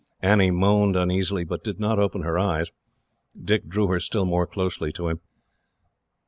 Annie moaned uneasily, but did not open her eyes. Dick drew her still more closely to him.